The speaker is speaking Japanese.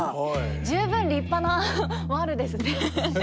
十分立派なワルですね。